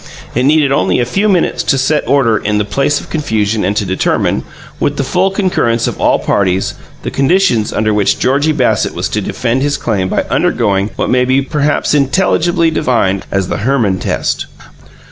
It needed only a few minutes to set order in the place of confusion and to determine, with the full concurrence of all parties, the conditions under which Georgie Bassett was to defend his claim by undergoing what may be perhaps intelligibly defined as the Herman test.